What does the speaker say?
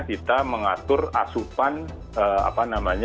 kita mengatur asupan